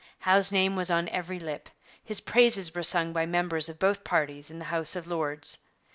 Howe's name was on every lip. His praises were sung by members of both parties in the House of Lords.